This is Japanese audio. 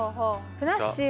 ふなっしーは？